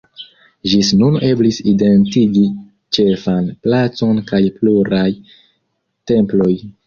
Ĝis nun eblis identigi ĉefan placon kaj pluraj temploj.